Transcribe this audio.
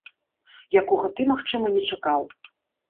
Якога ты, магчыма, не чакаў.